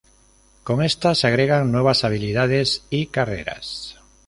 Con esta se agregan nuevas habilidades y carreras.